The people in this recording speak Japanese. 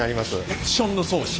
オプションの装置？